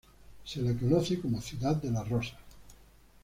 Se la conoce como "ciudad de las rosas".